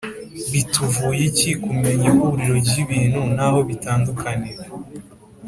Bituvuye iki kumenya ihuriro ryibintu naho bitandukanira